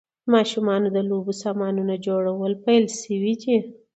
د ماشومانو د لوبو سامانونو جوړول پیل شوي دي.